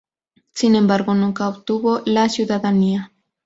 Sin embargo, nunca obtuvo la ciudadanía.